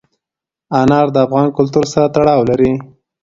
انار د افغان کلتور سره تړاو لري.